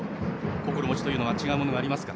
心持ちは違うものがありますか。